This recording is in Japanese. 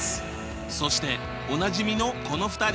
そしておなじみのこの２人！